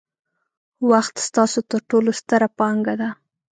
وخت ستاسو ترټولو ستره پانګه ده.